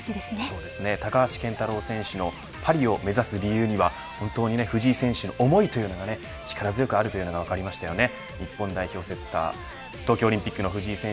そうですね、高橋健太郎選手のパリを目指す理由には本当に藤井選手の思いというのが力強くあるというのが分かりましたよね。